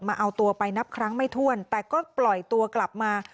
มาเอาตัวไปนับครั้งไม่ถ้วนแต่ก็ปล่อยตัวกลับมา